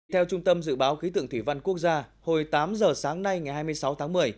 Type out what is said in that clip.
theo trung tâm dự báo khí tượng thủy văn quốc gia hồi tám giờ sáng nay ngày hai mươi sáu tháng một mươi